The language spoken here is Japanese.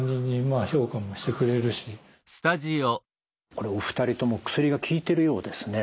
これお二人とも薬が効いてるようですね。